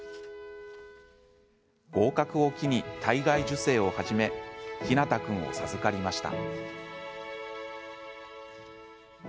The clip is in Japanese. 合格を機に体外受精を始め陽向君を授かりました。